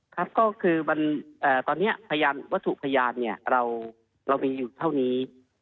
ครับก็คือตอนนี้พยานวัตถุพยานเนี่ยเรามีอยู่เท่านี้